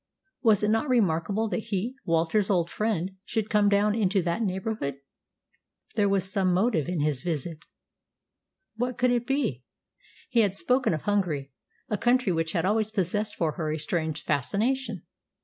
Was it not remarkable that he, Walter's old friend, should come down into that neighbourhood? There was some motive in his visit! What could it be? He had spoken of Hungary, a country which had always possessed for her a strange fascination.